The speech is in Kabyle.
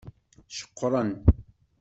Ceqqren.